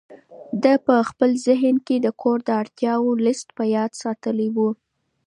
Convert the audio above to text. ده په خپل ذهن کې د کور د اړتیاوو لست په یاد ساتلی و.